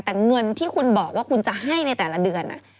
แต่เงินที่คุณบอกว่าคุณจะให้ในแต่ละเดือน